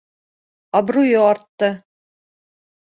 Абруйы артты.